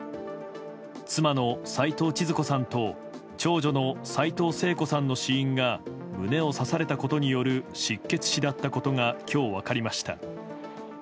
妻の齊藤ちづ子さんと長女の齊藤聖子さんの死因が胸を刺されたことによる失血死だったことが今日、分かりました。